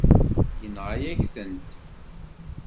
Yenɣa-yak-tent.